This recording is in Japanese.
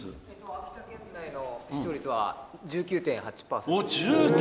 秋田県内の視聴率は１９．８％。